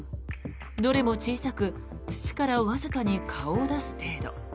どれも小さく土からわずかに顔を出す程度。